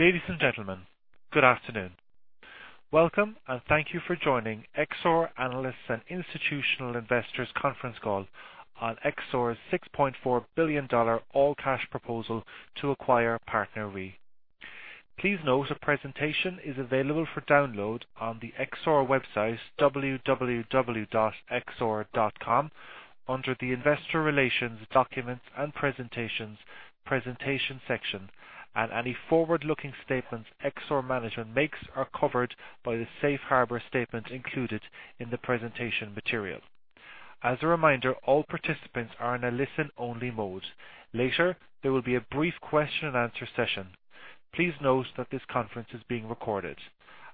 Ladies and gentlemen, good afternoon. Welcome and thank you for joining Exor Analysts and Institutional Investors conference call on Exor's $6.4 billion all cash proposal to acquire PartnerRe. Please note a presentation is available for download on the Exor website, www.exor.com, under the Investor Relations Documents and Presentations, Presentation section. Any forward-looking statements Exor management makes are covered by the safe harbor statement included in the presentation material. As a reminder, all participants are in a listen-only mode. Later, there will be a brief question and answer session. Please note that this conference is being recorded.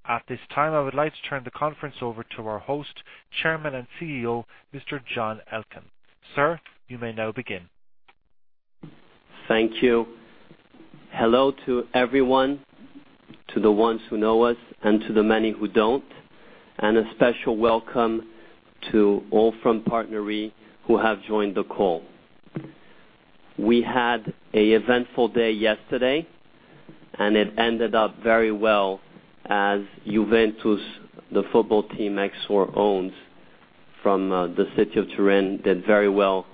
At this time, I would like to turn the conference over to our host, Chairman and CEO, Mr. John Elkann. Sir, you may now begin. Thank you. Hello to everyone, to the ones who know us and to the many who don't, and a special welcome to all from PartnerRe who have joined the call. We had an eventful day yesterday. It ended up very well as Juventus, the football team Exor owns from the city of Turin, did very well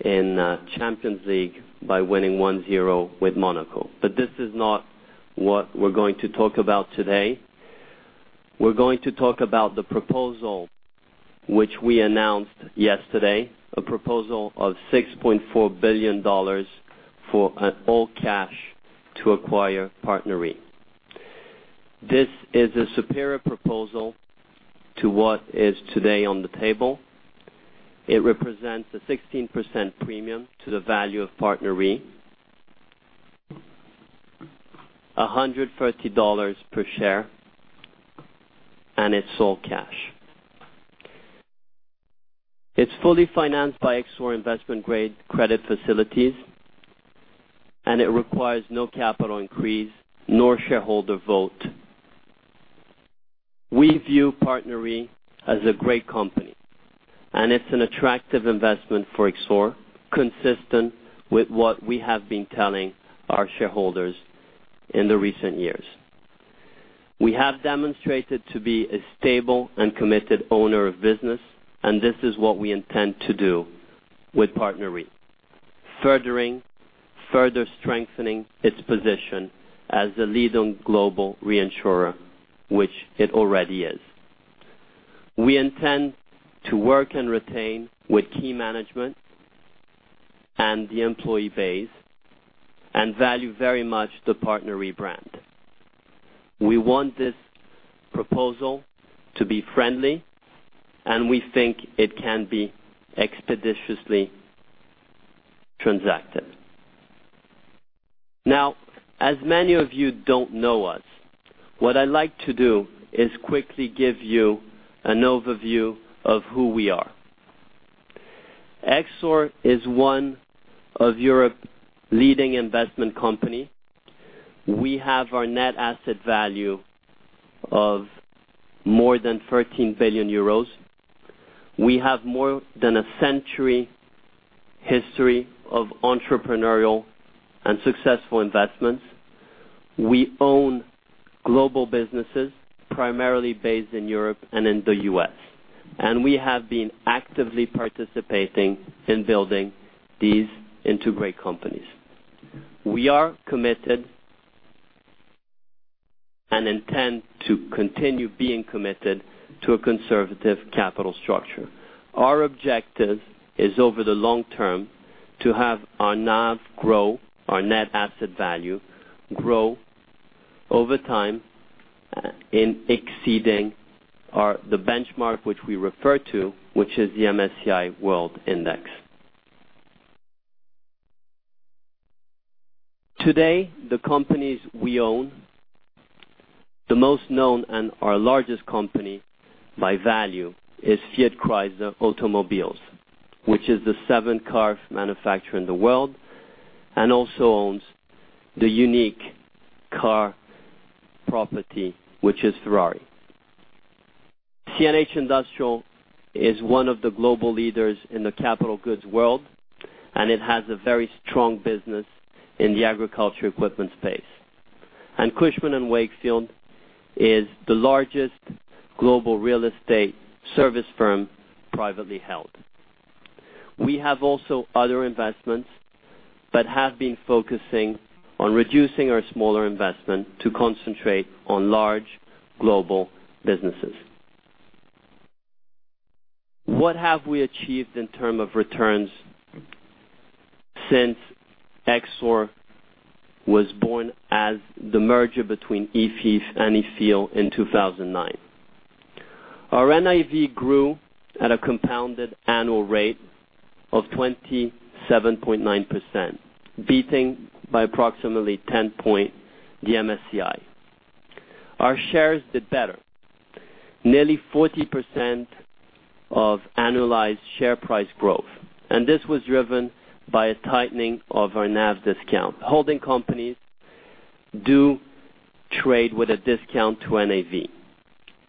in Champions League by winning 1-0 with Monaco. This is not what we're going to talk about today. We're going to talk about the proposal which we announced yesterday, a proposal of $6.4 billion for an all cash to acquire PartnerRe. This is a superior proposal to what is today on the table. It represents a 16% premium to the value of PartnerRe. $130 per share, it's all cash. It's fully financed by Exor investment grade credit facilities, it requires no capital increase nor shareholder vote. We view PartnerRe as a great company, it's an attractive investment for Exor, consistent with what we have been telling our shareholders in the recent years. We have demonstrated to be a stable and committed owner of business, this is what we intend to do with PartnerRe, further strengthening its position as the leading global reinsurer, which it already is. We intend to work and retain with key management and the employee base and value very much the PartnerRe brand. We want this proposal to be friendly, we think it can be expeditiously transacted. Now, as many of you don't know us, what I'd like to do is quickly give you an overview of who we are. Exor is one of Europe leading investment company. We have our net asset value of more than 13 billion euros. We have more than a century history of entrepreneurial and successful investments. We own global businesses, primarily based in Europe and in the U.S., and we have been actively participating in building these into great companies. We are committed and intend to continue being committed to a conservative capital structure. Our objective is over the long term to have our NAV grow, our net asset value grow over time in exceeding the benchmark which we refer to, which is the MSCI World Index. Today, the companies we own, the most known and our largest company by value is Fiat Chrysler Automobiles, which is the seventh car manufacturer in the world and also owns the unique car property, which is Ferrari. CNH Industrial is one of the global leaders in the capital goods world, and it has a very strong business in the agriculture equipment space. Cushman & Wakefield is the largest global real estate service firm privately held. We have also other investments but have been focusing on reducing our smaller investment to concentrate on large global businesses. What have we achieved in term of returns since Exor was born as the merger between IFI and IFIL in 2009? Our NAV grew at a compounded annual rate of 27.9%, beating by approximately 10 point the MSCI. Our shares did better. Nearly 40% of annualized share price growth. This was driven by a tightening of our NAV discount. Holding companies do trade with a discount to NAV.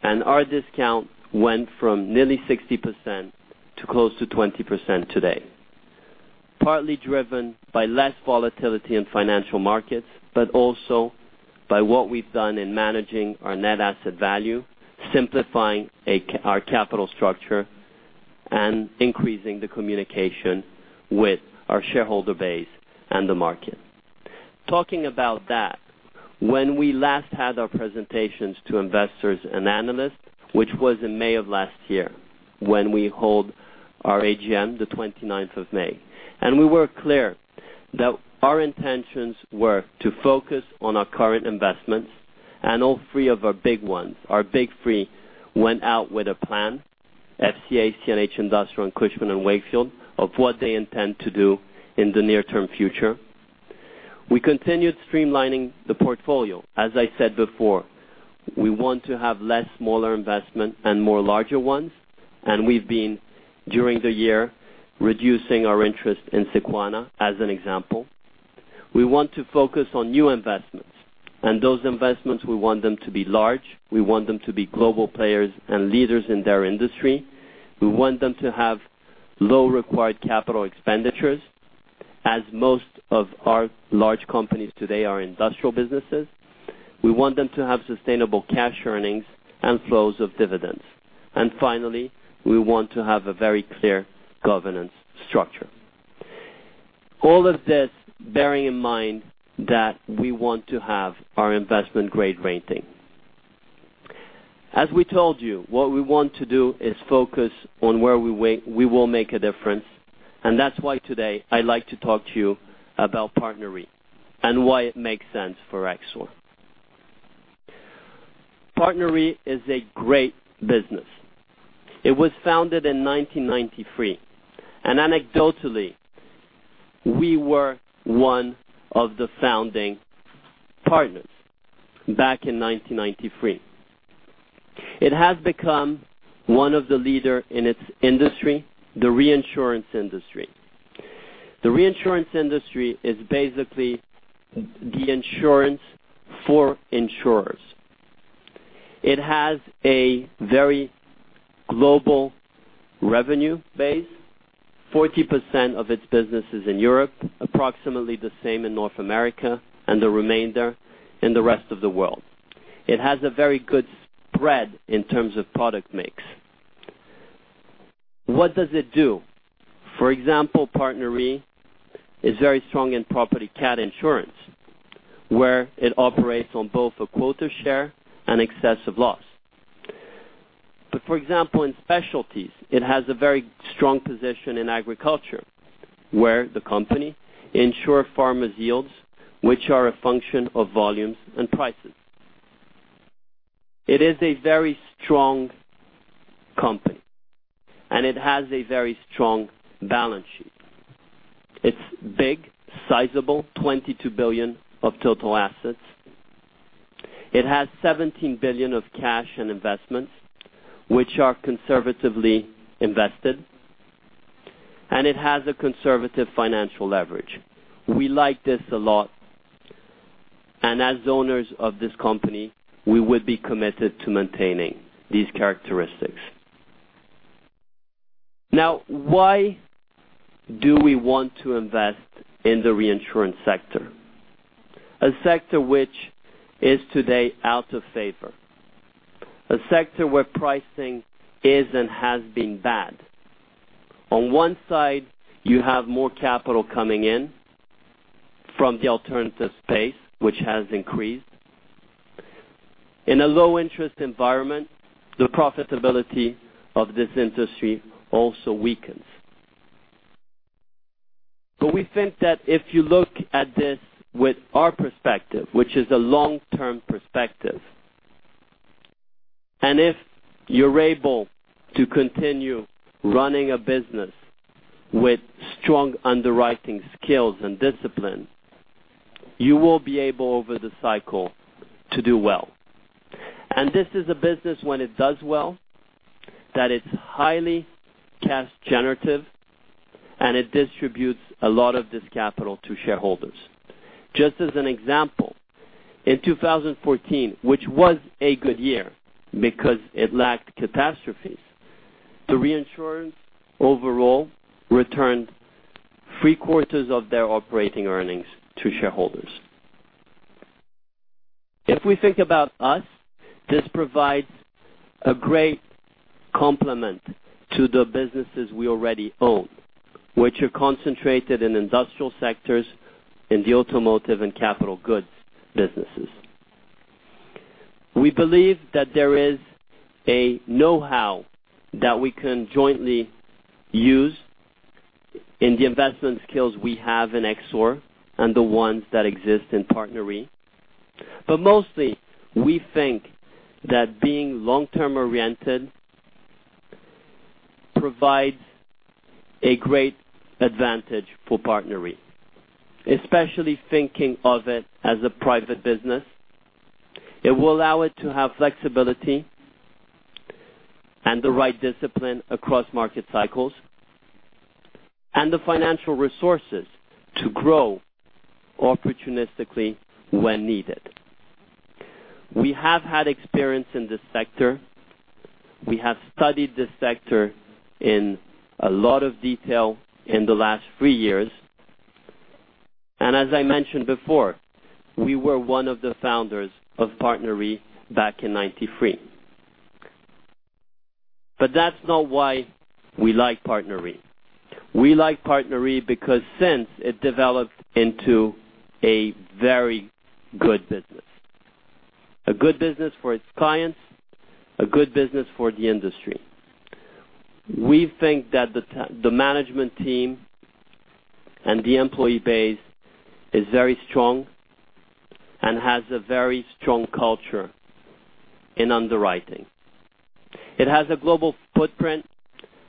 Our discount went from nearly 60% to close to 20% today. Partly driven by less volatility in financial markets, but also by what we've done in managing our net asset value, simplifying our capital structure, and increasing the communication with our shareholder base and the market. Talking about that, when we last had our presentations to investors and analysts, which was in May of last year, when we hold our AGM, the May 29th. We were clear that our intentions were to focus on our current investments. All three of our big ones, our big three, went out with a plan, FCA, CNH Industrial, and Cushman & Wakefield, of what they intend to do in the near-term future. We continued streamlining the portfolio. As I said before, we want to have less smaller investment and more larger ones, and we've been, during the year, reducing our interest in Sequana as an example. We want to focus on new investments. Those investments, we want them to be large, we want them to be global players and leaders in their industry. We want them to have low required capital expenditures, as most of our large companies today are industrial businesses. We want them to have sustainable cash earnings and flows of dividends. Finally, we want to have a very clear governance structure. All of this bearing in mind that we want to have our investment-grade rating. As we told you, what we want to do is focus on where we will make a difference, and that's why today I'd like to talk to you about PartnerRe and why it makes sense for Exor. PartnerRe is a great business. It was founded in 1993. Anecdotally, we were one of the founding partners back in 1993. It has become one of the leader in its industry, the reinsurance industry. The reinsurance industry is basically the insurance for insurers. It has a very global revenue base. 40% of its business is in Europe, approximately the same in North America, and the remainder in the rest of the world. It has a very good spread in terms of product mix. What does it do? For example, PartnerRe is very strong in property cat insurance, where it operates on both a quota share and excess of loss. For example, in specialties, it has a very strong position in agriculture, where the company insure farmers' yields, which are a function of volumes and prices. It is a very strong company, and it has a very strong balance sheet. It's big, sizable, 22 billion of total assets. It has 17 billion of cash and investments, which are conservatively invested. It has a conservative financial leverage. We like this a lot. As owners of this company, we would be committed to maintaining these characteristics. Now, why do we want to invest in the reinsurance sector? A sector which is today out of favor. A sector where pricing is and has been bad. On one side, you have more capital coming in from the alternative space, which has increased. In a low interest environment, the profitability of this industry also weakens. We think that if you look at this with our perspective, which is a long-term perspective, and if you're able to continue running a business with strong underwriting skills and discipline, you will be able, over the cycle, to do well. This is a business when it does well, that it's highly cash generative, and it distributes a lot of this capital to shareholders. Just as an example, in 2014, which was a good year because it lacked catastrophes, the reinsurance overall returned three-quarters of their operating earnings to shareholders. If we think about us, this provides a great complement to the businesses we already own, which are concentrated in industrial sectors, in the automotive and capital goods businesses. We believe that there is a know-how that we can jointly use in the investment skills we have in Exor and the ones that exist in PartnerRe. Mostly, we think that being long-term oriented provides a great advantage for PartnerRe, especially thinking of it as a private business. It will allow it to have flexibility. And the right discipline across market cycles, and the financial resources to grow opportunistically when needed. We have had experience in this sector. We have studied this sector in a lot of detail in the last three years. As I mentioned before, we were one of the founders of PartnerRe back in 1993. That's not why we like PartnerRe. We like PartnerRe because since it developed into a very good business. A good business for its clients, a good business for the industry. We think that the management team and the employee base is very strong and has a very strong culture in underwriting. It has a global footprint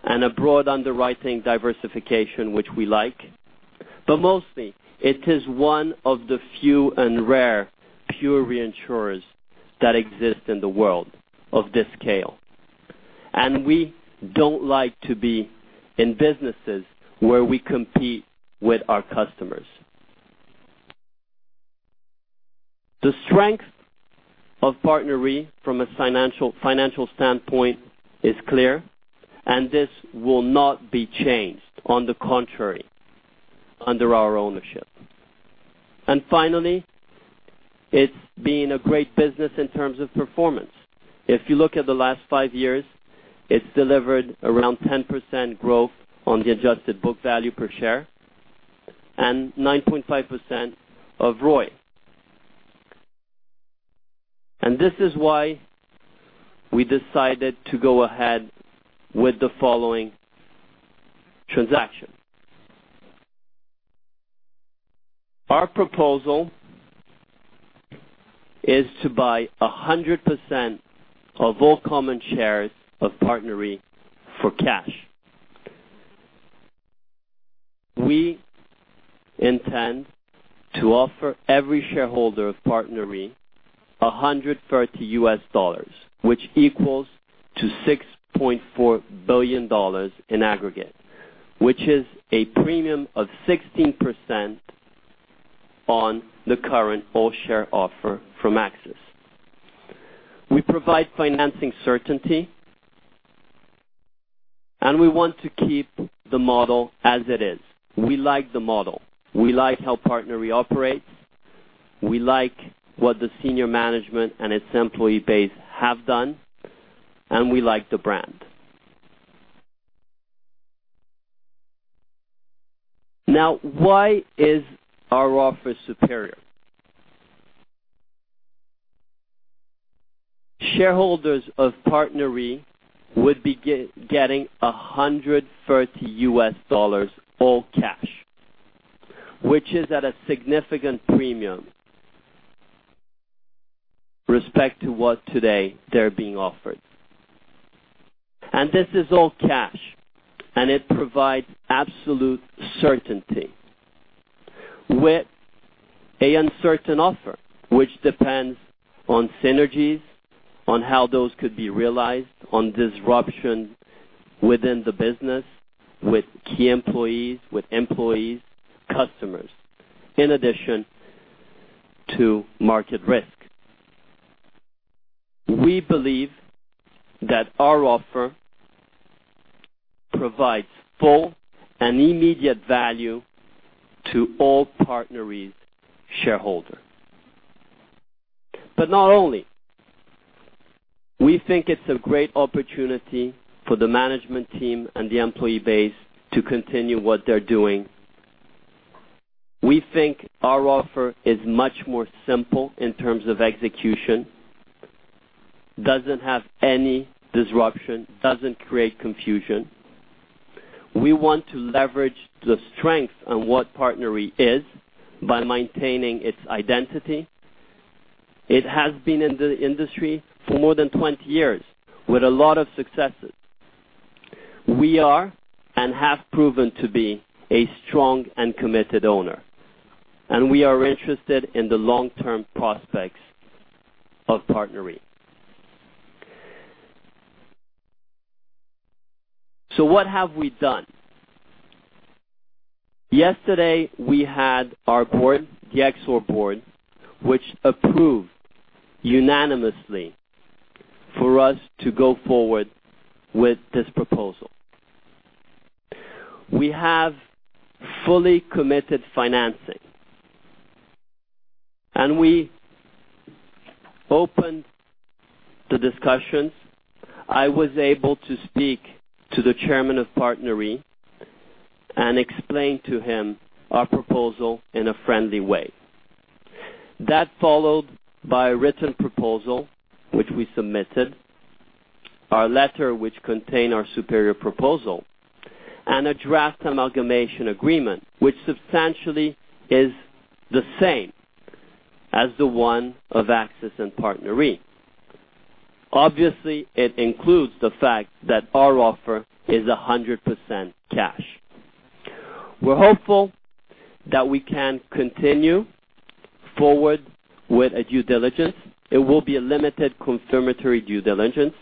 and a broad underwriting diversification, which we like. Mostly it is one of the few and rare pure reinsurers that exist in the world of this scale. We don't like to be in businesses where we compete with our customers. The strength of PartnerRe from a financial standpoint is clear, and this will not be changed, on the contrary, under our ownership. Finally, it's been a great business in terms of performance. If you look at the last five years, it's delivered around 10% growth on the adjusted book value per share and 9.5% of ROI. This is why we decided to go ahead with the following transaction. Our proposal is to buy 100% of all common shares of PartnerRe for cash. We intend to offer every shareholder of PartnerRe $130, which equals to $6.4 billion in aggregate, which is a premium of 16% on the current all share offer from AXIS. We provide financing certainty. We want to keep the model as it is. We like the model. We like how PartnerRe operates. We like what the senior management and its employee base have done, and we like the brand. Now, why is our offer superior? Shareholders of PartnerRe would be getting $130 all cash, which is at a significant premium respect to what today they're being offered. This is all cash, and it provides absolute certainty with a uncertain offer, which depends on synergies, on how those could be realized, on disruption within the business, with key employees, with employees, customers, in addition to market risk. We believe that our offer provides full and immediate value to all PartnerRe shareholder. Not only, we think it's a great opportunity for the management team and the employee base to continue what they're doing. We think our offer is much more simple in terms of execution, doesn't have any disruption, doesn't create confusion. We want to leverage the strength on what PartnerRe is by maintaining its identity. It has been in the industry for more than 20 years with a lot of successes. We are, and have proven to be, a strong and committed owner, and we are interested in the long-term prospects of PartnerRe. What have we done? Yesterday, we had our board, the Exor board, which approved unanimously for us to go forward with this proposal. We have fully committed financing. We opened the discussions. I was able to speak to the chairman of PartnerRe and explain to him our proposal in a friendly way. That followed by a written proposal which we submitted, our letter which contained our superior proposal, and a draft amalgamation agreement, which substantially is the same as the one of AXIS and PartnerRe. It includes the fact that our offer is 100% cash. We're hopeful that we can continue forward with a due diligence. It will be a limited confirmatory due diligence,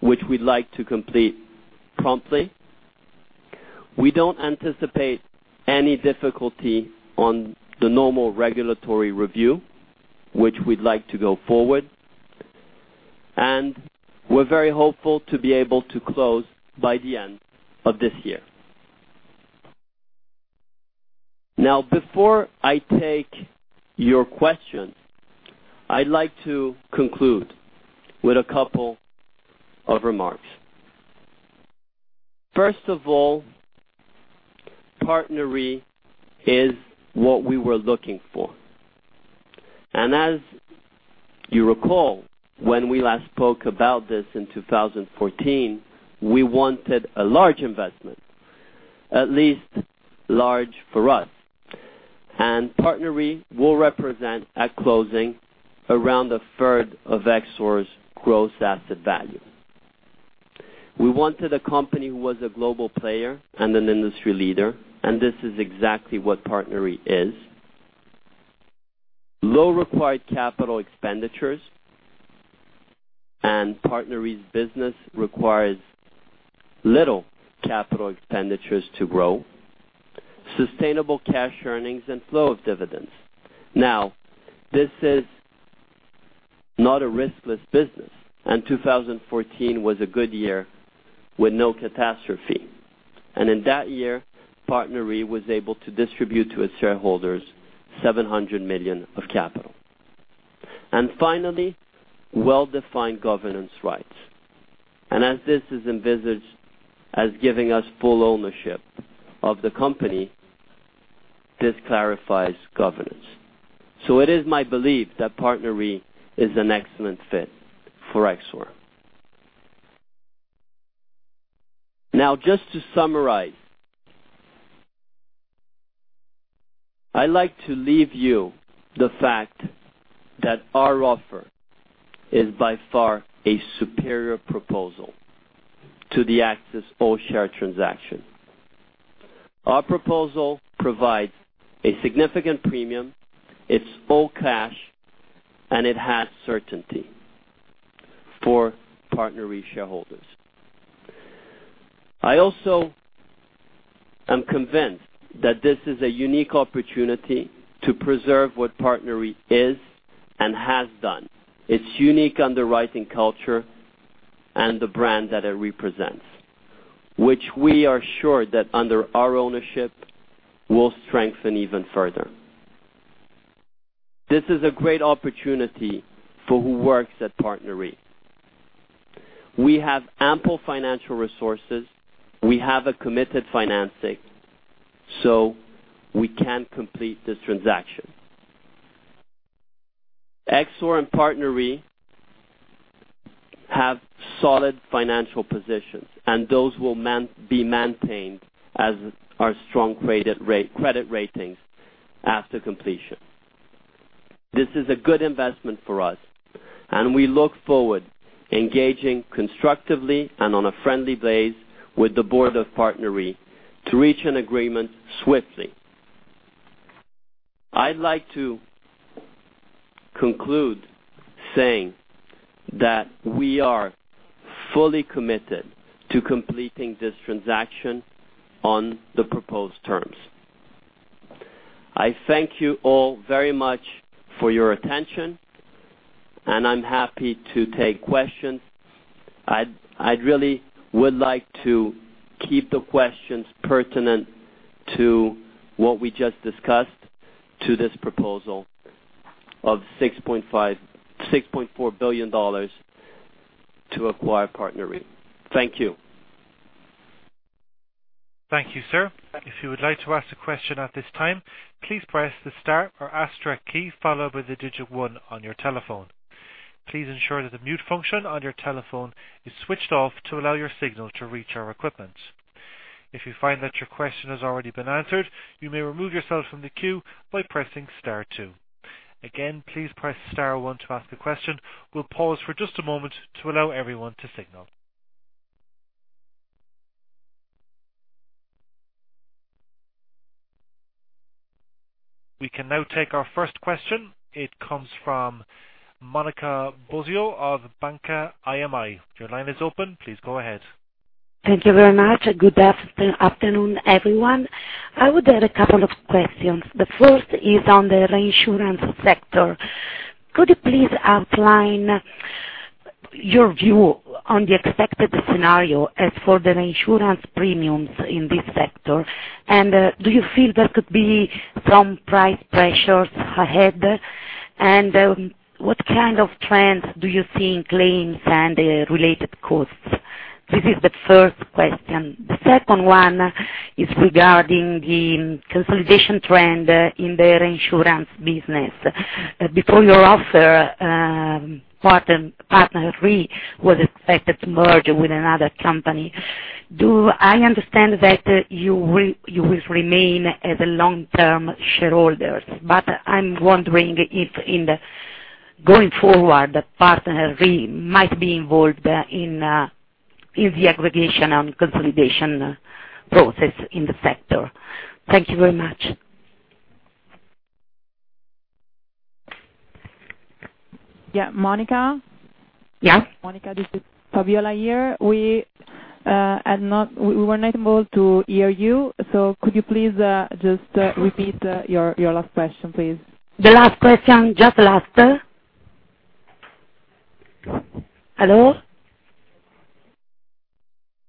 which we'd like to complete promptly. We don't anticipate any difficulty on the normal regulatory review, which we'd like to go forward, and we're very hopeful to be able to close by the end of this year. Before I take your question, I'd like to conclude with a couple of remarks. First of all is what we were looking for. As you recall, when we last spoke about this in 2014, we wanted a large investment, at least large for us. PartnerRe will represent at closing around a third of Exor's gross asset value. We wanted a company who was a global player and an industry leader, this is exactly what PartnerRe is. Low required capital expenditures, PartnerRe's business requires little capital expenditures to grow. Sustainable cash earnings and flow of dividends. This is not a riskless business, 2014 was a good year with no catastrophe. In that year, PartnerRe was able to distribute to its shareholders 700 million of capital. Finally, well-defined governance rights. As this is envisaged as giving us full ownership of the company, this clarifies governance. It is my belief that PartnerRe is an excellent fit for Exor. Just to summarize. I like to leave you the fact that our offer is by far a superior proposal to the AXIS all-share transaction. Our proposal provides a significant premium, it's all cash, and it has certainty for PartnerRe shareholders. I also am convinced that this is a unique opportunity to preserve what PartnerRe is and has done, its unique underwriting culture and the brand that it represents, which we are sure that under our ownership will strengthen even further. This is a great opportunity for who works at PartnerRe. We have ample financial resources. We have a committed financing, we can complete this transaction. Exor and PartnerRe have solid financial positions, those will be maintained as our strong rated credit ratings after completion. This is a good investment for us, and we look forward engaging constructively and on a friendly base with the board of PartnerRe to reach an agreement swiftly. I'd like to conclude saying that we are fully committed to completing this transaction on the proposed terms. I thank you all very much for your attention, and I'm happy to take questions. I'd really would like to keep the questions pertinent to what we just discussed to this proposal of $6.4 billion to acquire PartnerRe. Thank you. Thank you, sir. If you would like to ask a question at this time, please press the star or asterisk key followed by the digit one on your telephone. Please ensure that the mute function on your telephone is switched off to allow your signal to reach our equipment. If you find that your question has already been answered, you may remove yourself from the queue by pressing star two. Again, please press star one to ask a question. We'll pause for just a moment to allow everyone to signal. We can now take our first question. It comes from Monica Bosio of Banca IMI. Your line is open. Please go ahead. Thank you very much. Good afternoon, everyone. I would add a couple of questions. The first is on the reinsurance sector. Could you please outline your view on the expected scenario as for the reinsurance premiums in this sector? Do you feel there could be some price pressures ahead? What kind of trends do you see in claims and the related costs? This is the first question. The second one is regarding the consolidation trend in the reinsurance business. Before your offer, PartnerRe was expected to merge with another company. Do I understand that you will remain as a long-term shareholder? I'm wondering if going forward, PartnerRe might be involved in the aggregation and consolidation process in the sector. Thank you very much. Yeah, Monica. Yeah. Monica, this is Fabiola here. We were not able to hear you. Could you please, just, repeat your last question, please? The last question, just last. Hello?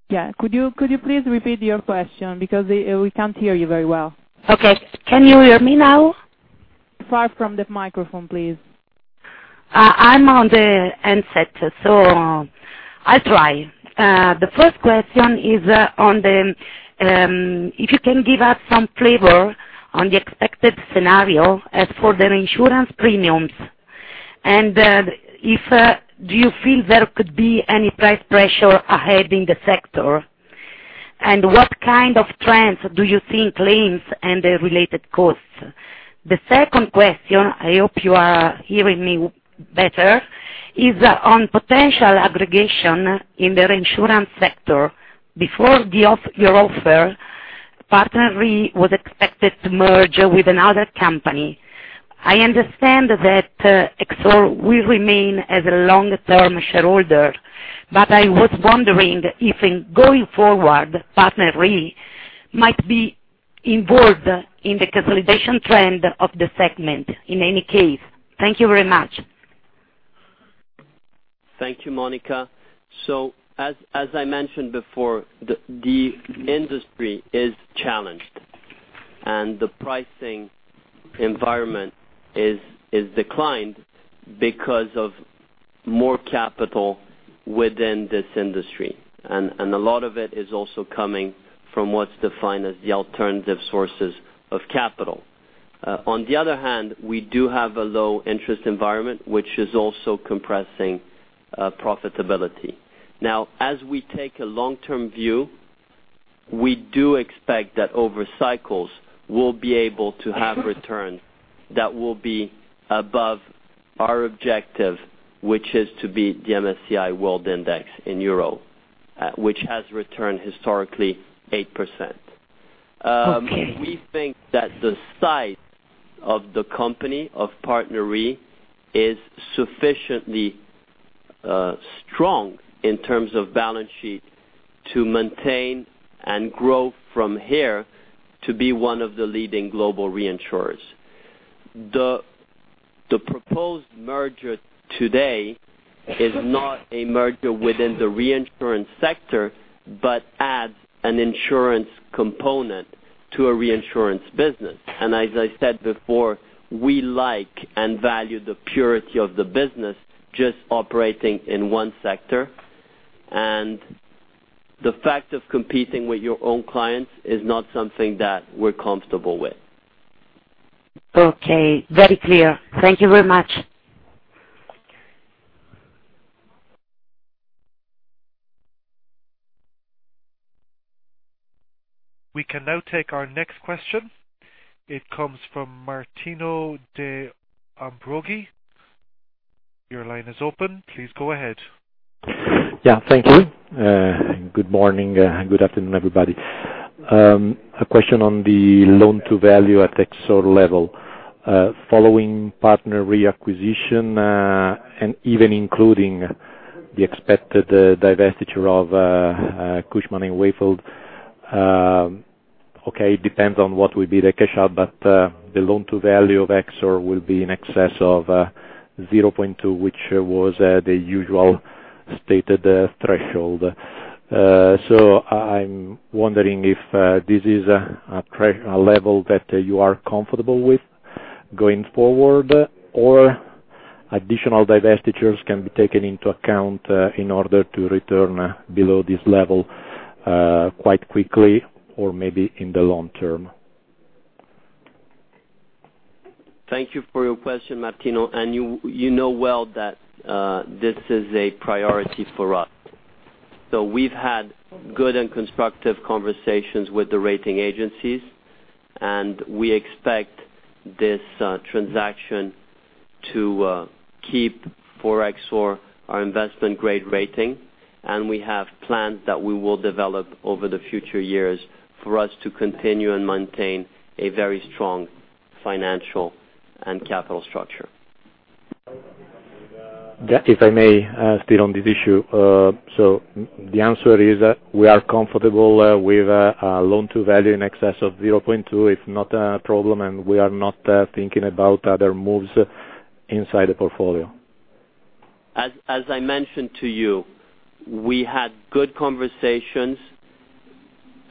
Yeah. Could you please repeat your question because we can't hear you very well. Okay. Can you hear me now? Far from the microphone, please. I'm on the handset, so I'll try. The first question is on the, if you can give us some flavor on the expected scenario as for the insurance premiums. If do you feel there could be any price pressure ahead in the sector? What kind of trends do you think claims and the related costs? The second question, I hope you are hearing me better, is on potential aggregation in the reinsurance sector. Before your offer, PartnerRe was expected to merge with another company. I understand that Exor will remain as a long-term shareholder, I was wondering if in going forward, PartnerRe might be involved in the consolidation trend of the segment in any case. Thank you very much. Thank you, Monica. As I mentioned before, the industry is challenged and the pricing environment is declined because of more capital within this industry. A lot of it is also coming from what's defined as the alternative sources of capital. On the other hand, we do have a low interest environment, which is also compressing profitability. As we take a long-term view, we do expect that over cycles we'll be able to have returns that will be above our objective, which is to beat the MSCI World Index in Euro, which has returned historically 8%. Okay. We think that the size of the company, of PartnerRe is sufficiently strong in terms of balance sheet to maintain and grow from here to be one of the leading global reinsurers. The proposed merger today is not a merger within the reinsurance sector, but adds an insurance component to a reinsurance business. As I said before, we like and value the purity of the business just operating in one sector. The fact of competing with your own clients is not something that we're comfortable with. Okay, very clear. Thank you very much. We can now take our next question. It comes from Martino De Ambroggi. Your line is open. Please go ahead. Thank you. Good morning, good afternoon, everybody. A question on the loan to value at Exor level. Following PartnerRe acquisition, and even including the expected divestiture of Cushman & Wakefield, okay, it depends on what will be the cash out, but the loan to value of Exor will be in excess of 0.2, which was the usual stated threshold. I'm wondering if this is a level that you are comfortable with going forward or additional divestitures can be taken into account in order to return below this level quite quickly or maybe in the long term. Thank you for your question, Martino, and you know well that this is a priority for us. We've had good and constructive conversations with the rating agencies, and we expect this transaction to keep for Exor our investment grade rating. We have plans that we will develop over the future years for us to continue and maintain a very strong financial and capital structure. Yeah, if I may, stay on this issue. The answer is we are comfortable with a loan to value in excess of 0.2. It's not a problem, and we are not thinking about other moves inside the portfolio. As I mentioned to you, we had good conversations,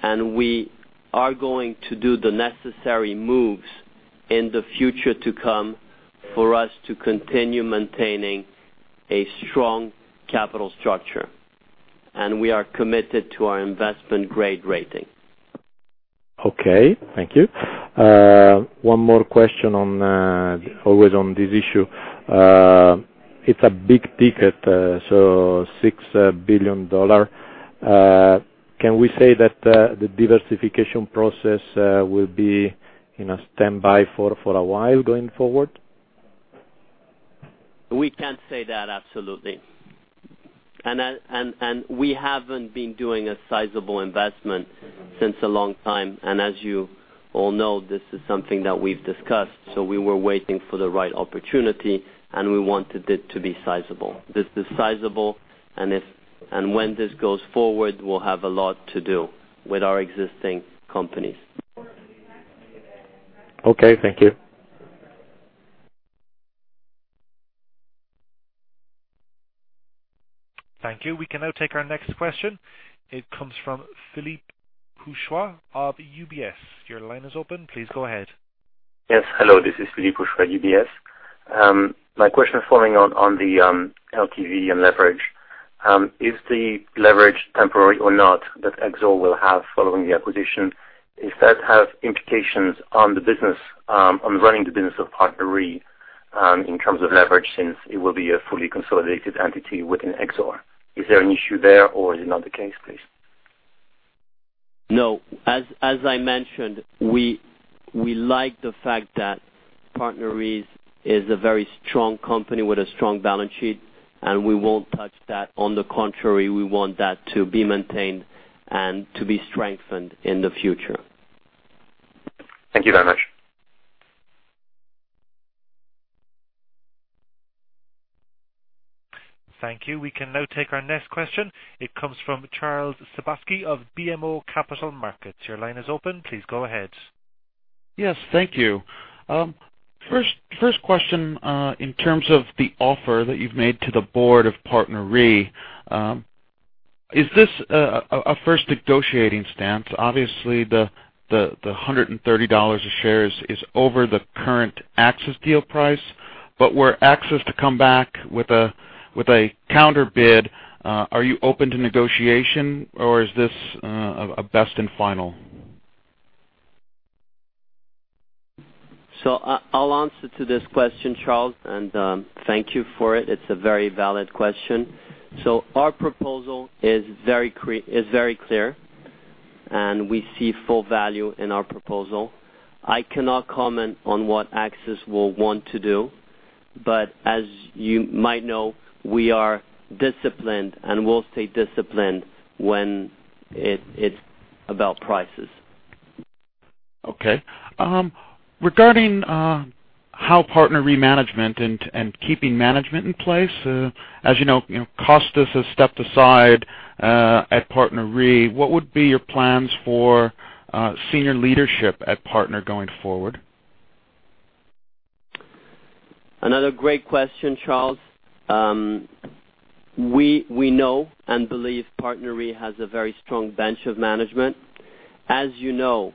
and we are going to do the necessary moves in the future to come for us to continue maintaining a strong capital structure. We are committed to our investment grade rating. Okay. Thank you. One more question on always on this issue. It's a big ticket, so EUR 6 billion. Can we say that the diversification process will be in a standby for a while going forward? We can say that absolutely. We haven't been doing a sizable investment since a long time. As you all know, this is something that we've discussed. We were waiting for the right opportunity, and we wanted it to be sizable. This is sizable, and when this goes forward, we'll have a lot to do with our existing companies. Okay. Thank you. Thank you. We can now take our next question. It comes from Philippe Houchois of UBS. Your line is open. Please go ahead. Yes. Hello. This is Philippe Houchois, UBS. My question following on the LTV and leverage. Is the leverage temporary or not that Exor will have following the acquisition? Is that have implications on the business, on running the business of PartnerRe, in terms of leverage since it will be a fully consolidated entity within Exor? Is there an issue there or is it not the case, please? No. As I mentioned, we like the fact that PartnerRe is a very strong company with a strong balance sheet. We won't touch that. On the contrary, we want that to be maintained and to be strengthened in the future. Thank you very much. Thank you. We can now take our next question. It comes from Charles Sebaski of BMO Capital Markets. Your line is open. Please go ahead. Yes. Thank you. First question, in terms of the offer that you've made to the board of PartnerRe, is this a first negotiating stance? Obviously, the $130 a share is over the current AXIS deal price. Were AXIS to come back with a counter bid, are you open to negotiation or is this a best and final? I'll answer to this question, Charles, and thank you for it. It's a very valid question. Our proposal is very clear, and we see full value in our proposal. I cannot comment on what AXIS will want to do, but as you might know, we are disciplined and will stay disciplined when it's about prices. Okay. Regarding how PartnerRe management and keeping management in place, as you know, Costas has stepped aside at PartnerRe. What would be your plans for senior leadership at Partner going forward? Another great question, Charles. We know and believe PartnerRe has a very strong bench of management. As you know,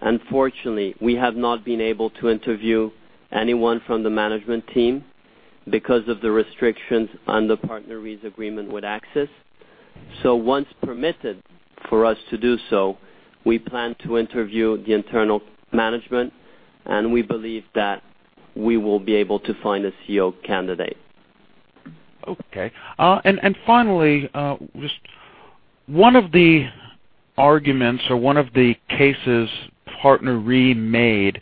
unfortunately, we have not been able to interview anyone from the management team because of the restrictions on the PartnerRe's agreement with AXIS. Once permitted for us to do so, we plan to interview the internal management, and we believe that we will be able to find a CEO candidate. Okay. Finally, just one of the arguments or one of the cases PartnerRe made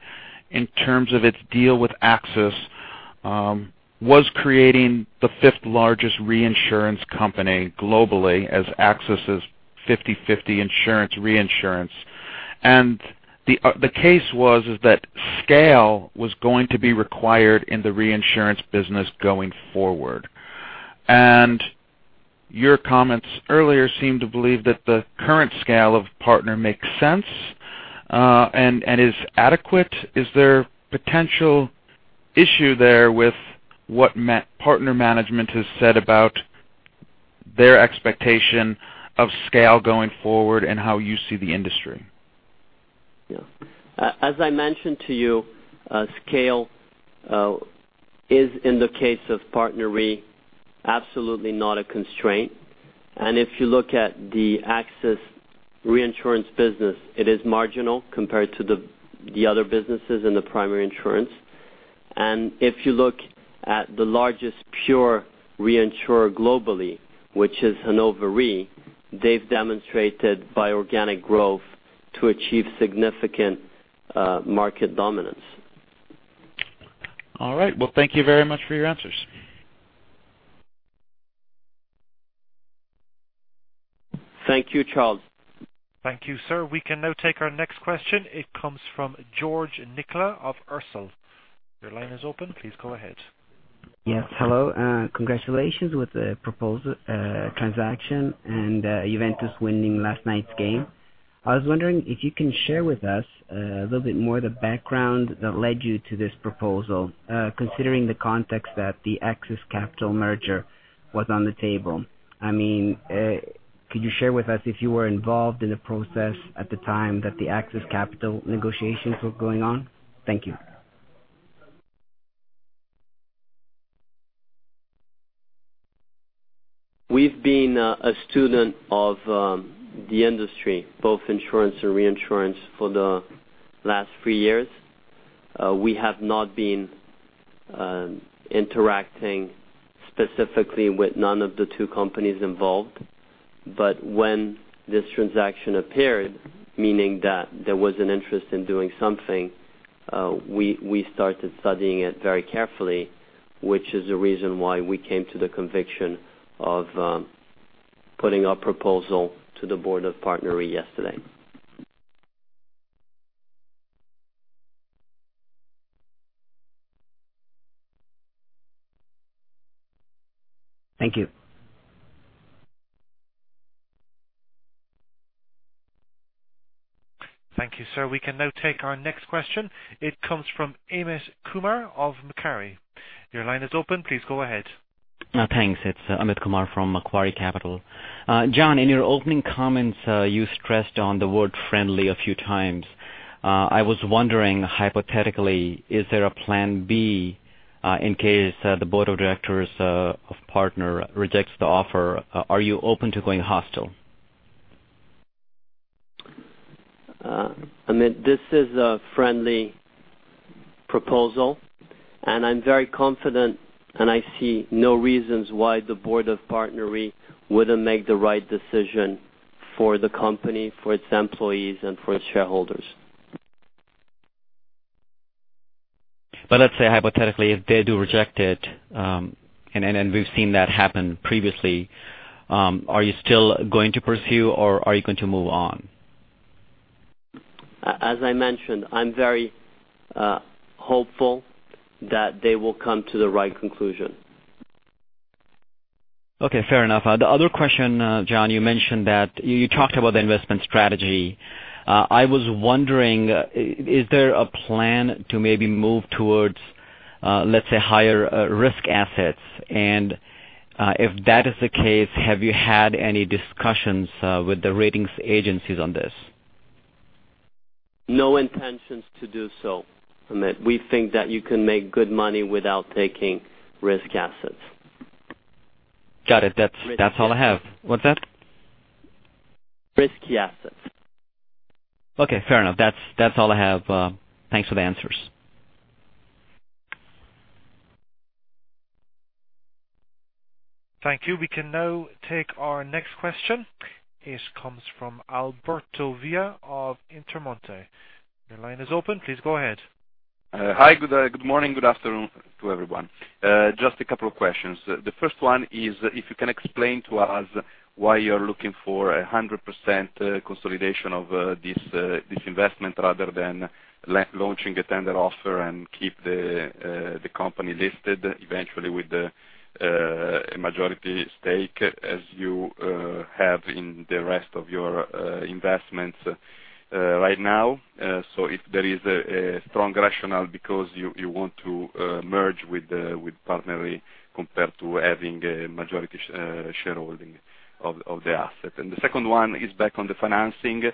in terms of its deal with AXIS, was creating the fifth-largest reinsurance company globally as AXIS' 50/50 insurance reinsurance. The case was is that scale was going to be required in the reinsurance business going forward. Your comments earlier seemed to believe that the current scale of PartnerRe makes sense and is adequate. Is there potential issue there with what PartnerRe Management has said about their expectation of scale going forward and how you see the industry? Yeah. As I mentioned to you, scale is, in the case of PartnerRe, absolutely not a constraint. If you look at the AXIS reinsurance business, it is marginal compared to the other businesses in the primary insurance. If you look at the largest pure reinsurer globally, which is Hannover Re, they've demonstrated by organic growth to achieve significant market dominance. All right. Well, thank you very much for your answers. Thank you, Charles. Thank you, sir. We can now take our next question. It comes from Georgina Orsal. Your line is open. Please go ahead. Yes. Hello. Congratulations with the proposal transaction and Juventus winning last night's game. I was wondering if you can share with us a little bit more the background that led you to this proposal, considering the context that the AXIS Capital merger was on the table. I mean, could you share with us if you were involved in the process at the time that the AXIS Capital negotiations were going on? Thank you. We've been a student of the industry, both insurance and reinsurance, for the last three years. We have not been interacting specifically with none of the two companies involved. When this transaction appeared, meaning that there was an interest in doing something, we started studying it very carefully, which is the reason why we came to the conviction of putting a proposal to the board of PartnerRe yesterday. Thank you. Thank you, sir. We can now take our next question. It comes from Amit Kumar of Macquarie. Your line is open. Please go ahead. Thanks. It's Amit Kumar from Macquarie Capital. John, in your opening comments, you stressed on the word friendly a few times. I was wondering, hypothetically, is there a plan B in case the Board of Directors of PartnerRe rejects the offer? Are you open to going hostile? Amit, this is a friendly proposal, and I'm very confident, and I see no reasons why the board of PartnerRe wouldn't make the right decision for the company, for its employees and for its shareholders. Let's say hypothetically, if they do reject it, and we've seen that happen previously, are you still going to pursue, or are you going to move on? As I mentioned, I'm very hopeful that they will come to the right conclusion. Okay, fair enough. The other question, John, you mentioned that you talked about the investment strategy. I was wondering, is there a plan to maybe move towards, let's say, higher risk assets? If that is the case, have you had any discussions with the ratings agencies on this? No intentions to do so, Amit. We think that you can make good money without taking risk assets. Got it. That's all I have. Risky assets. What's that? Risky assets. Okay, fair enough. That's all I have. Thanks for the answers. Thank you. We can now take our next question. It comes from Alberto Villa of Intermonte. Your line is open. Please go ahead. Hi. Good morning, good afternoon to everyone. Just a couple of questions. The first one is if you can explain to us why you're looking for a 100% consolidation of this investment rather than launching a tender offer and keep the company listed eventually with a majority stake as you have in the rest of your investments right now. If there is a strong rationale because you want to merge with PartnerRe compared to having a majority shareholding of the asset. The second one is back on the financing.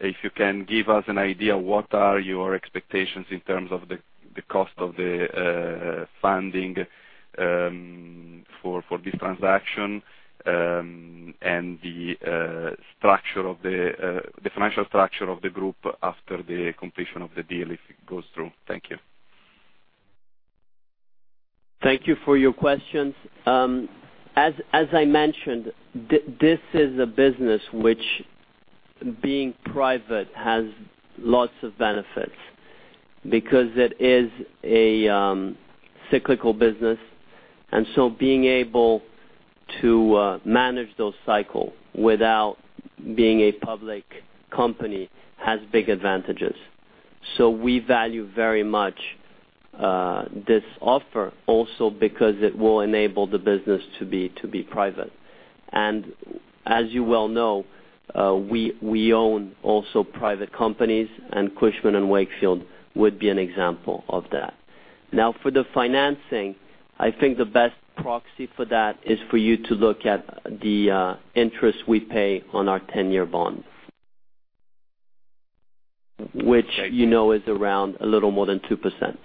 If you can give us an idea, what are your expectations in terms of the cost of the funding for this transaction, and the structure of the financial structure of the group after the completion of the deal, if it goes through. Thank you. Thank you for your questions. As I mentioned, this is a business which being private has lots of benefits because it is a cyclical business. Being able to manage those cycle without being a public company has big advantages. We value very much this offer also because it will enable the business to be private. As you well know, we own also private companies, and Cushman & Wakefield would be an example of that. Now, for the financing, I think the best proxy for that is for you to look at the interest we pay on our 10-year bond, which you know is around a little more than 2%.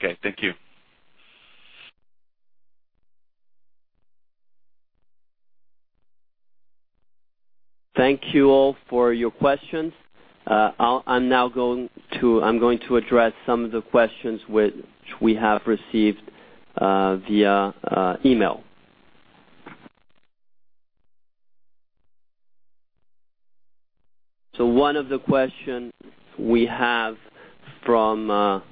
Okay. Thank you. Thank you all for your questions. I'm going to address some of the questions which we have received via email. One of the questions we have from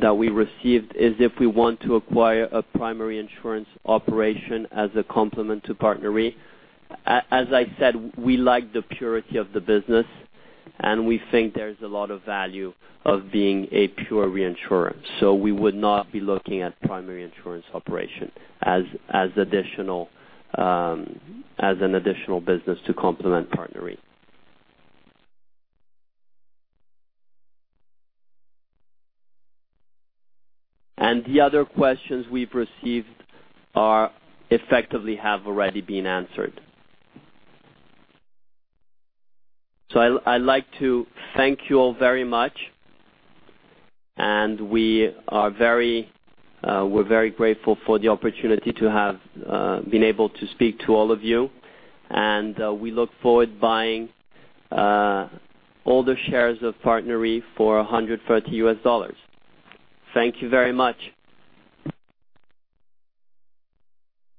that we received is if we want to acquire a primary insurance operation as a complement to PartnerRe. As I said, we like the purity of the business, and we think there's a lot of value of being a pure reinsurance. We would not be looking at primary insurance operation as additional, as an additional business to complement PartnerRe. The other questions we've received are effectively have already been answered. I'd like to thank you all very much. We are very, we're very grateful for the opportunity to have been able to speak to all of you. We look forward buying all the shares of PartnerRe for $130. Thank you very much.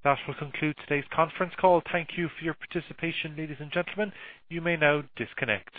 That will conclude today's conference call. Thank you for your participation, ladies and gentlemen. You may now disconnect.